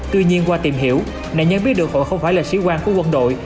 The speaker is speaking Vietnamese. tuy nhiên qua tìm hiểu nạn nhân biết được họ không phải là sĩ quan của quân đội